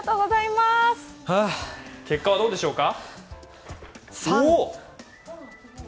はあ結果はどうでしょうか。